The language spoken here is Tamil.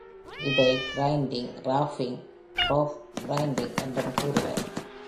இதை grinding, roughing (அ) rough grinding என்றும் கூறுவர்.